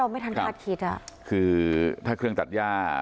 เราไม่ทันคาดคิดคือถ้าเครื่องจัดย่า